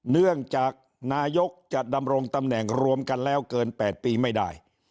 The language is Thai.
เนื่องจากนายกจะดำรงตำแหน่งรวมกันแล้วเกิน๘ปีไม่ได้